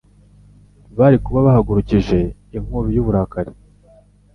bari kuba bahagurukije inkubi y'uburakari,